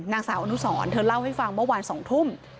นางสาวอนุสรเธอเล่าให้ฟังเมื่อวาน๒ทุ่ม